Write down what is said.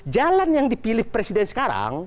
jalan yang dipilih presiden sekarang